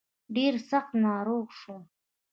ډېر سخت ناروغ شوم.